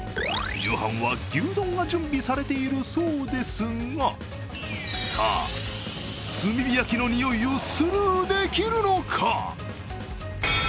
夕飯は牛丼が準備されているそうですがさあ、炭火焼きのにおいをスルーできるのか。